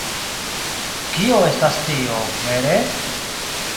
Kio estas tio, vere?